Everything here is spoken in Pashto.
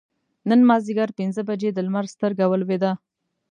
نن مازدیګر پینځه بجې د لمر سترګه ولوېده.